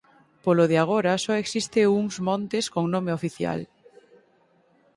Polo de agora só existe uns "montes" con nome oficial.